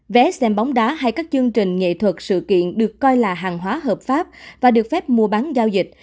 vé xem bóng đá hay các chương trình nghệ thuật sự kiện được coi là hàng hóa hợp pháp và được phép mua bán giao dịch